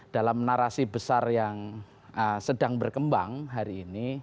dalam narasi besar yang sedang berkembang hari ini